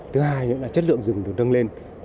thứ hai là chất lượng rừng được nâng lên